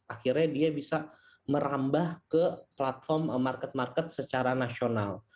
akhirnya dia bisa merambah ke platform market market secara nasional